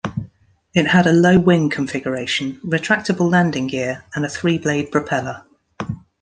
It had a low-wing configuration, retractable landing gear and a three-blade propeller.